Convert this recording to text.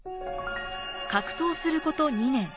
格闘すること２年。